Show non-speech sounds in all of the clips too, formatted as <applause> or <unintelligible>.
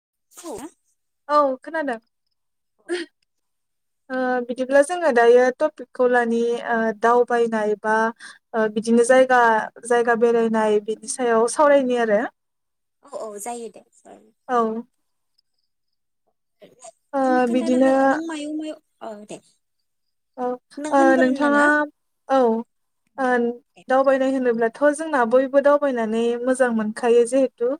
<unintelligible> औ खोनादों ओ बिदिब्ला जोङो दायो टपिकखौ लानि ओ दावबायनाय बा ओ बिदिनो जायगा जायगा बेरायनाय बिनि सायाव सावरायनो आरो औ औ जायो दे जायो औ ओ नों खोन्थानो‌ बिदिनो हा नों मायाव मायाव औ दे औ नों ओ होनग्रोनो नोंथांङा ना औ ओ दावबायनाय होनोब्ला थ जोंना बयबो दावबायनानै मोजां मोनखायो जिहेतु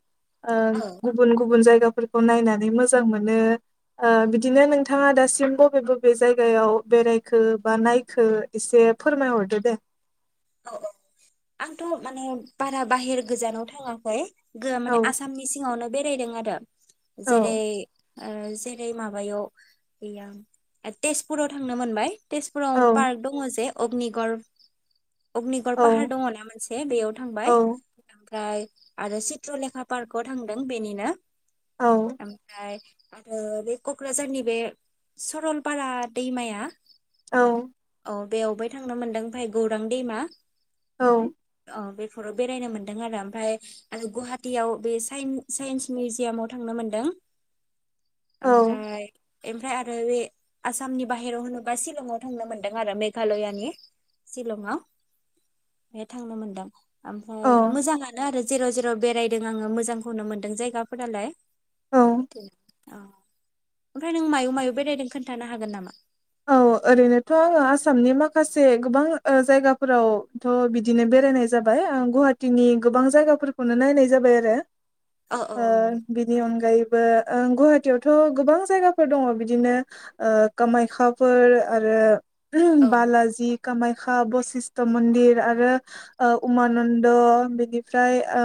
ओ औ गुबुन गुबुन जायग गाफोरखौ नायनानै मोजां मोनो ओ बिदिनो नोंथांङा दासिम बबे बबे जायगायाव बेरायख खो बा नायखो एसे फोरमायहरदो दे औ औ आंथ माने बारा बाहेर गोजानाव थांङाखै गोआ माने औ आसामनि सिङावनो बेरायदों आरो औ जेरै ओ जेरै माबायाव ओया ओ तेजपुराव थांनो मोनबाय तेजपुराव औ पार्क दङ जे अग्निगर अग्निगर पाहार औ दङ ना मोनसे बेयाव थांबाय औ ओमफ्राय आरो चित्रलेखा पार्कआव थांदों बेनिनो औ ओमफ्राय आबे कक्राझारनि बे सरलपारा दैमाया औ औ बेवहबो थांनो मोनदों ओमफाय गौर रां दैैमा औ अ बेफोराव बेरायनो मोनदों आरो ओमफाय आरो गुवाहाटियाव बे साइन साइन्स मिउजियामाव थांनो मोनदों औ ओमफ्राय ओमफ्राय आरो बे आसामनि बाहेरायाव होनोबा शिलंआव थांनो मोनदों आरो मेघालयानि शिलंआव बे थांनो मोनदों ओमफ्राय मोजाङानो आरो जेराव जेराव बेरायदों आङो मोजांखौनो मोन्दों जायगाफोरालाय। औ <unintelligible> औ ओमफ्राय नों मायाव मायाव बेरायदों खोन्थानो हागोन नामा? औ ओरैनोथ' आङो आसामनि माखासे गोबां ओ जायगाफोरावथ' बिदिनो बेरायनाय जाबाय ओ गुवाहाटीनि गोबां जायगाफोरखौनो नायनाय जाबाय आरो औ ओ बिनि औ अनगायैबो ओं गुवाहाटीयावथ' गोबां जायगाफोर दङ बिदिनो ओ कामाख्या फोर आरो औ <unintelligible> बालााजि कामाख्या बसिस्ट मन्दिर आरो ओ उमानन्द बिनिफ्राय ओ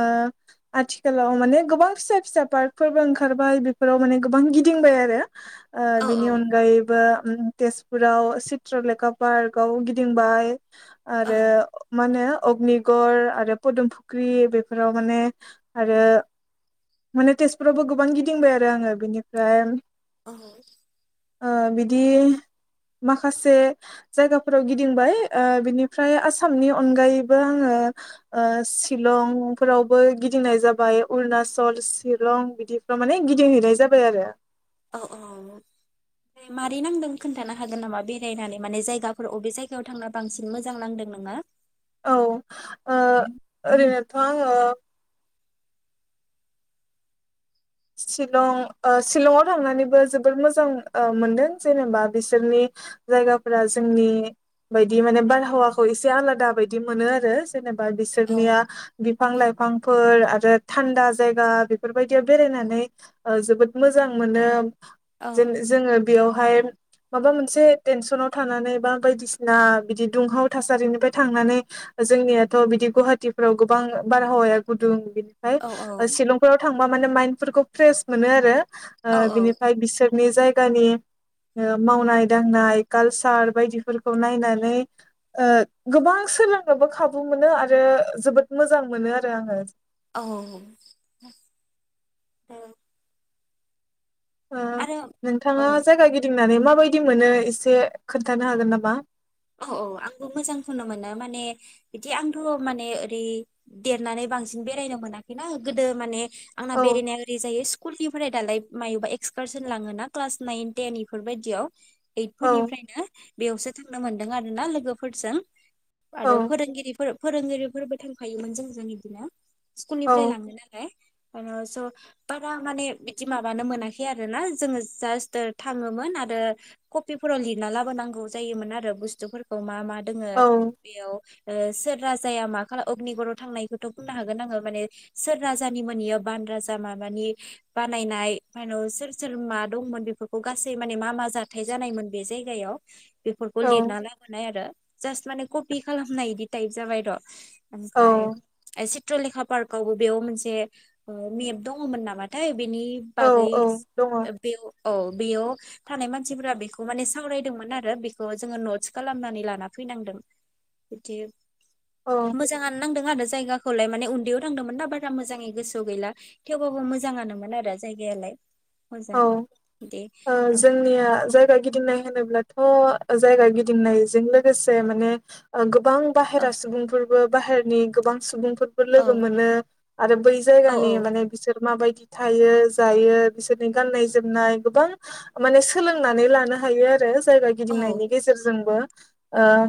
आथिखालाव माने गोबां फिसा फिसा पार्कफोरबो ओंखारबाय बेफोराव माने गोबां गिदिंबाय आरो ओ औ बिनि अनगायैबो ओम तेजपुराव चित्रलेखा पार्कआव गिदिंबाय। औ आरो माने अग्निगढ़ आरो पदमफुख्रि बेफोराव माने आरो माने तेजपुरावबो गोबां गिदिंबाय आरो आङो बेनिफ्राय औ ओ बिदि माखासे जायगाफोराव गिदिंबाय ओ बिनिफ्राय आसामनि अनगायैबो आङो ओ शिलंफोरावबो गिदिंनाय जाबाय अरुनाचल शिलं बिदिफ्राव माने गिदिंहैनाय जाबाय आरो औ औ मारै नांदों खोन्थानो हागोन नामा बेरायनानै माने जायगाफोर अबे जायगायाव थांना बांसिन मोजां नांदों नोङो? औ ओ ओरैनोथ' आङो शिलं ओ शिलंआव थांनानैबो जोबोर मोजां ओ मोनदों जेनेबा बिसोरनि जायगाफोरा जोंनि बायदि माने बारहावाखौ एसे आलादा बायदि मोनो आरो जेनेबा बा औ बिसोरनिया बिफां लाइफांफोर आरो थान्दा जायगा बेफोरबायदि औ बेरायनानै ओ जोबोद मोजां मोनो। औ जोङो बेयावहाय माबा मोनसे टेनसनाव थानानै बा बायदिसिना बिदि दुंहाव थासारिनिफ्राय थांनानै जोंनियाथ' बिदि गुवाहाटीफ्राव गोबां बारहावाया गुदुं। बिनिफ्राय औ ओ शिलंफोर। <unintelligible> माने माइन्दफोरखौ फ्रेस मोनो आरो। ओ औ बिनिफ्राय बिसोर नि जायगानि ओ मावनाय दांनाय कालसार बायदिफोरखौ नायनानै ओ गोबां सोलोंनोबो खाबु मोनो आरो जोबोद मोजां मोनो आरो आङो। औ। <unintelligible> ओ आरो नोंथाङा औ जायगा गिदिंनानै। माबायदि मोनो एसे खोन्थानो हागोन नामा? औ औ आंबो मोजां खौनो मोनो माने बिदि आंथ' माने ओरै देरनानै बांसिन बेरायनो मोनाखैना गोदो माने आंना औ बेरायनाया ओरै जायो। कुलनिफ्राय दालाय मायोबा एक्सकारसन लाङो ना क्लास नाइन टेन इफोरबायदियाव। ओइट औ फोरनिफ्रायनो बेयावसो थां थांनो मोनदों आरोना लोगोफोरजों। औ आरो फोरोंगिरिफोर फोरोंगिरि फोरबो थांफायोमोन जोंजों इदिनो। स्कुल औ निफ्राय लाङोनालाय। आरो स' बारा माने बिदि माबानो मोनाखै आरो ना जोङो जास्त थाङोमोन आरो कपिफोराव लिरना लाबोनांगौ जायोमोन आ रो बुस्थुफोरखौ मा मा। दोङो औ बेयाव। ओ सोर राजाया मा खालाम अग्निगराव थांनायखौथ' बुंनो हागोन आङो माने सोर राजानि मोन इयो बान राजा माबानि बानायनाय सोर सोर मा दंमोन बेफोरखौ गासै माने मा मा जाथाय जानायमोन बे जायगायाव खौ औ लिरना लाबोनाय आरो जास्ट माने ख पि खालामनाय इदि टाइप जाबाय र'। औ ओमफ्राय चित्रलेखा पार्कावबो बेयाव मोनसे मेप दङमोन नामाथाय। बेनि औ बागै औ दङ बेयाव औ बेयाव। थानाय मानसिफोरा बेखौ माने सावरायदोंमोन आरो बे खौ जोङो नटस खालामनानै लाना फैनांदों बिदि। औ मोजाङानो नांदों आरो। जायगाखौलाय माने उन्दैयाव थांदोंमोन दा बारा मोजाङै गोसोआव गैला थेवबाबो मोजाङानोमोन आरो जायगायालाय। मोजां औ बिदि ओ जोंनिया ओमफ्राय जायगा गिदिंनाय। होनोब्लाथ' जायगा गिदिंनायजों लोगोसे माने गो बां औ बाहेरा सुबुंफोर। बो बाहेरनि गोबां सुबुं फोरबो लोगो औ मोनो आरो बै औ जायगानि माने बिसोर माबाय दि थायो जायो बिसोर गाननाय जोमनाय गोबां माने सोलोंनानै लानो हायो आरो जायगा औ गिदिंनायनि गेजेरजोंबो ओ औ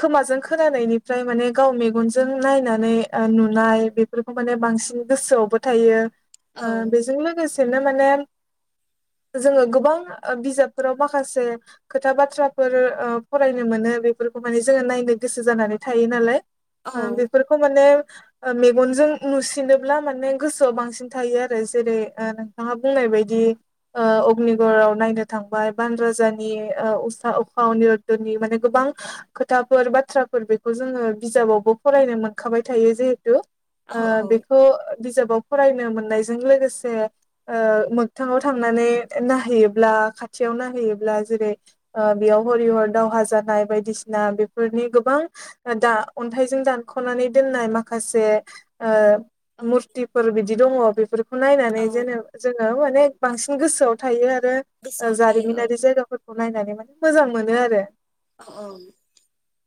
खोमाजों खो खोनानायनिफ्राय माने गाव मेगनजों नायनानै ओ नुनाय बेफोरखौ माने बांसिन गोसोआवबो थायो ओ बेजों लोगोसे <inaudible> माने जोङो गोबां ओ बिजाबफोराव माखासे खोथा बाथ्राफोर ओ फरायनो मोनो बेफोरखौ माने जोङो नायनो गोसो जानानै थायो नालाय ओ बेफोरखौ माने ओ मेगनजों नुसिनोब्ला माने गोसोआव बांसिन थायो आरो जेरै नोंथाङा बुंनाय बायदि दि ओ अग्निगराव नायनो थांबाय, बान राजानि ओ उसा उखा अनिरद्दनि माने गोबां खोथाफोर बाथ्राफोर बेखौ जोङो बिजाबावबो फरायनो मोनखाबाय थायो जिहेटु औ ओ बेखौ बिजाबाव फरायनो मोननायजों लोगोसे ओ मोग थाङाव थांनानै नाहैयोब्ला, खाथियाव नाहैयोब्ला जेरै बेयाव हरि हर दावहा जानाय बायदिसिना बेफोरनि गोबां दा अन्थाइजों दानखनानै दोननाय माखासे ओ औ मुरतिफोर बि बिदि दङ बेफोर खौ नायनानै औ जेने जों औ माने बांसिन गोसोआव थायो आ रो ओ गोसोआव थायो औ जारिमिनारि जायगाफोर खौ नायनानै माने मोजां मोनो आरो। औ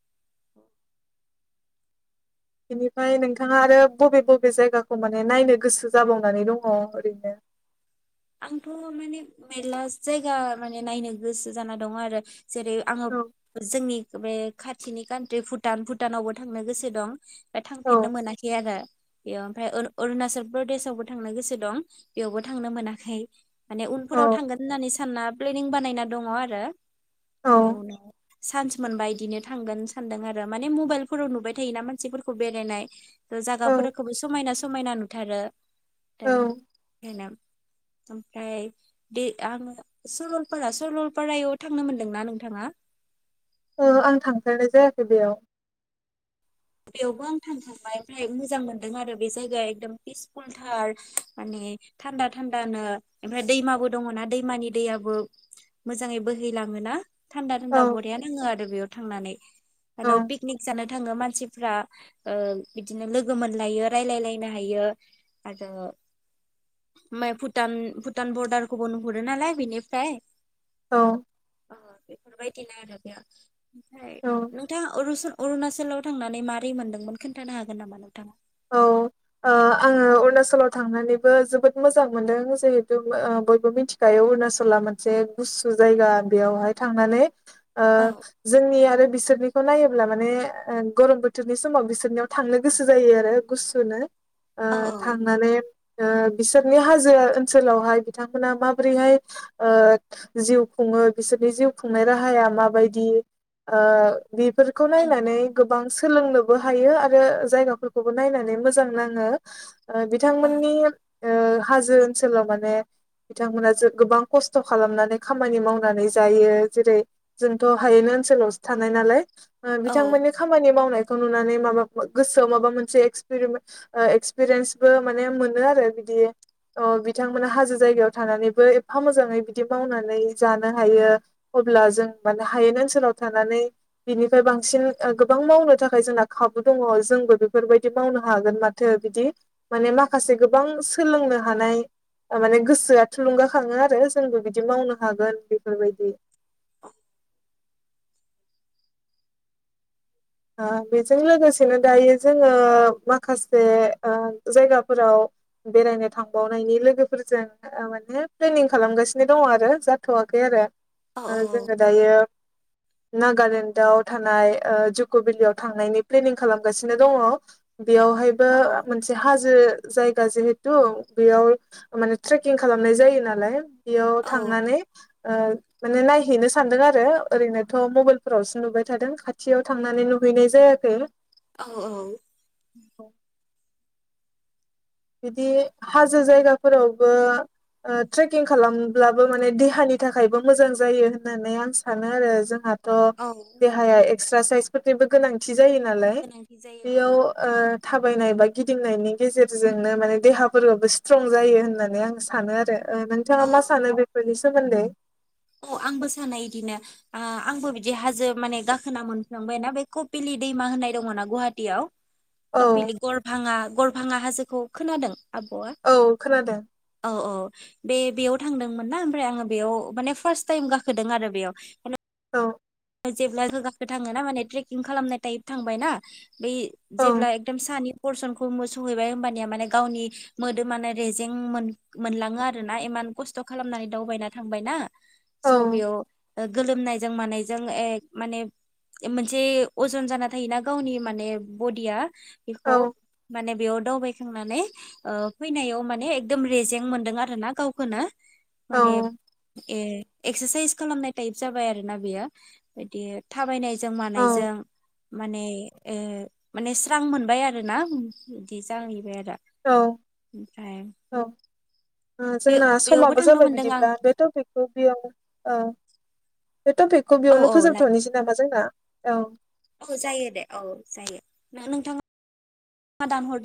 बेनिफाय नोंथाङा आरो बबे बबे जायगाखौ माने नायनो गोसो जाबावनानै दङ ओरैनो आंथ मेने मेरला जायगा माने नायनो गोसो जाना दङ आरो जेरै आङो औ जोंनि अबे खाथिनि कान्ट्रि भुटान भुटानावबो थांनो गोसो दं। दा औ थांफेरनो मोनाखै आरो बेयाव फ्राय उर अरुणाचल प्रदेशआवबो थांनो गोसो दं बेयावबो थांनो मोना खै माने उनफोराव औ थांगोन होननानै सानना प्लेनिं बानायना दङ आरो औ माने उनाव सानसे मोनबा इदिनो थांगोन सानदों आरो माने मबाइलफोराव नुबाय थायोना मानसिफोरखौ बेरायनाय ओ जागाफोरखोबो समायना समायना नुथारो। दोन औ हेनाब। ओमफ्राय दे आङो सरलपारा सरलपारायाव थांनो मोनदोंना नोंथाङा? ओ आं थांफेरनाय जायाखै बेयाव। बेयावबो आं थांखांबाय ओमफ्राय मोजां मोनदों आरो बे जायगाया एकदम पिसफुलथार माने थान्दा थान्दानो ओमफ्राय दैमाबो दङ ना दैमानि दैयाबो मोजाङै बोहैलाङोना। थान्दा औ थान्दा बरिया नाङो आरो बेयाव। थांनानै औ नानौ पिकनिक जानो। थाङो मानसि फ्रा ओ-बिदिनो लोगो मोनलायो रायलायलायनो हायो आरो ओमाय भुटान भुटान बरदारखौबो नुहुरो नालाय बेनिफ्राय। औ दिनो आरो बेया ओमफ्राय औ नोंथाङा अरुस अरुणाचलाव थांनानै नों मारै मोनदोंमोन खोन्थानो हागोन नामा नोंथाङा? औ ओ- आङो अरुणाचलाव थांनानैबो जोबोद मोजां मोनदों जे औ ओ-बयबो मिथि। दायो अरुणाचला मोनसे गुसु जायगा बेयावहाय थांनानै। ओ- जोंनि आरो। बिसोरनिखौ नायोब्ला माने ओ-गरम बोथोरनि समाव बिसोरनियाव थांनो गोसो जायो आरो। गुसु नो। औ ओ- थांनानै। ओ- बिसोरनि हाजो ओनसोलावहाय बिथांमोनहा माबोरैहाय ओ- जिउ खुङो बिसोरनि जिउ खुंनाय राहाया माबायदि ओ- बेफोरखौ औ नायनानै गोब गोबां सोलोंनोबो हायो आरो जायगाफोरखौ। नायनानै मोजां नाङो। ओ औ बिथांमोननि। ओ-हाजो ओनसोलाव माने बिथांमोना गोबां खस्थ खालामनानै खामानि मावनानै जायो जेरै जोंथ' हायैनो ओनसोलावसो थानाय नालाय। औ बिथांमोननि खामानि मावनाय। खौ नुनानै माबा मोन गोसो आव माबा मोन से एक्सपरिमे-ओ-एक्सपिरियेन्सबो माने मोनो आरो बिदि अ बिथांमोना हाजो जायगायाव थानानैबो एफा मोजाङै बिदि मावनानै जानो हायो अब्ला जों माने हायेन ओनसोलाव थानानै बिनिफ्राय बांसिन ओ- गोबां मावनो थाखाय जोंना खाबु दङ जोंबो बे। बेफोरबायदि मावनो हागोन माथो बिदि माने माखासे गोबां सोलोंनो हानाय माने ओ- गोसोआ थुलुंगाखाङो आरो जोंबो बिदि मावनो हागोन बेफोरबायदि। ओ- बेजों लोगोसेनो दायो जोङो माखासे ओ- जायगाफोराव बेरायनो थांबावनायनि लोगोफोरजों ओ-माने प्लेनिं खालामगासिनो दङ आरो जाथवाखै आरो। औ ओ- जोङो दायो। नागालेण्डआव थानाय ओ- जुग बकभेलियाव थांनायनि प्लेनिं खालामगासिनो दङ। बेयावहायबो औ मोनसे हाजो। जायगा जिहेथु बेयाव माने ट्रेकिं खालामनाय जायो नालाय बेयाव औ थांनानै ओ माने नायहैनो सानदों आरो ओरैनोथ मबाइलफोरावसो नुबाय थादों खाथियाव थांनानै नुहैनाय जायाखै औ औ औ बिदि हाजो जायगा फोरावबो ओ ट्रेकिं खालामब्लाबो माने देहानि थाखायबो मोजां जायो होननानै आं सानो आरो जोंहा थ औ देहाया एक्सारसाइसफोरनिबो गोनांथि जायो नालाय गोनांथि जायो औ बेयाव ओ। थाबायनाय बा गिदिंनायनि गेजेर जोंनो माने देहाफोराबो स्ट्रं जायो होननानै आं सानो आरो। ओ नोंथाङा औ मा सानो बेफोरनिस? सोमोन्दै। औ आंबो सानो इदिनो ओ आंबो बिदि हाजो माने गाखोना मोनफ्लांबायना बे कपिलि दैमा होननाय दङ'ना गुवाहाटियाव। औ कपिलि गर भाङा गर भाङा हाजोखौ खोनादों? आब'आ? औ खोनादों औ औ। बे बेयाव थांदोंमोन ना ओमफ्राय आङो बेयाव माने फार्स्ट टाइम गाखोदों आरो बेयाव औ जेब्ला जों गाखो थाङो ना माने ट्रेकिं खालामनाय टाइप थांबाय ना बै औ जेब्ला एकदम सानि परसनखौ मो सौहैबाय होमबानिया माने गावनि मोदोमानो रेजें मोन-मोनलाङो आरो ना इमान खस्थ' खालामनानै दावबायना थांबाय ना। औ स बेयाव। गोलोमनायजों मानायजों जों एक माने मोनसे अजन जाना थायोना गावनि माने बडिया। औ बेखौ माने बेयाव दावबायखांनानै ओ फैनायाव माने एकदम रेजें मोनदों आरो ना गावखौनो। माने औ ए एक्सारसाइस खालामनाय टाइप जाबाय आरो ना बेयो। बिदि थाबायनाय जों मानायजों औ माने ओ माने स्रां मोनबाय आरो ना बिदि जाहैबाय आरो <unintelligible> ओमफ्राय औ ओ बे जोंना बेयावबो समाबो थांनो जाबाय मोनदों आं बिदिब्ला बे टपिकखौ बेयाव ओ बे टपिकखौ औ बेयावनो औ लाय फोजोबथ नोसै नामा जोंना? औ औ जायो दे औ जायो ना नोंथांङा दान हरद।